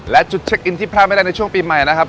และจุดเช็คอินที่พลาดไม่ได้ในช่วงปีใหม่นะครับ